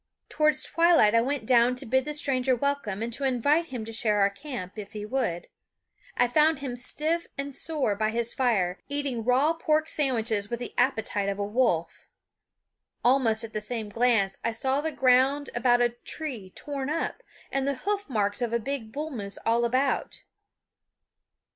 Towards twilight I went down to bid the stranger welcome and to invite him to share our camp, if he would. I found him stiff and sore by his fire, eating raw pork sandwiches with the appetite of a wolf. Almost at the same glance I saw the ground about a tree torn up, and the hoof marks of a big bull moose all about.